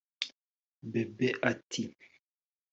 Bebe ati